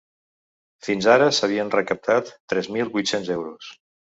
Fins ara s’havien recaptat tres mil vuit-cents euros.